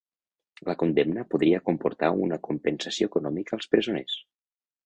La condemna podria comportar una compensació econòmica als presoners